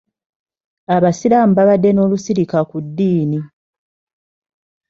Abasiraamu baabadde n'olusirika ku ddiini.